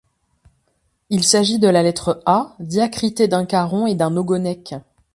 Il s’agit de la lettre A diacritée d’un caron et d’un ogonek.